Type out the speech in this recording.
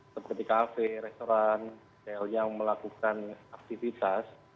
seperti kafe restoran yang melakukan aktivitas